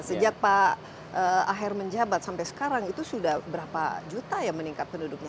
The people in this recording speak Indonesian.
sejak pak aher menjabat sampai sekarang itu sudah berapa juta ya meningkat penduduknya